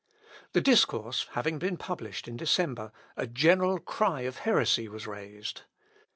The discourse having been published in December, a general cry of heresy was raised.